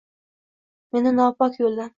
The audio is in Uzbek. Meni nopok yo’ldan